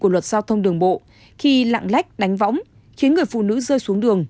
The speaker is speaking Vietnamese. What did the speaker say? của luật giao thông đường bộ khi lạng lách đánh võng khiến người phụ nữ rơi xuống đường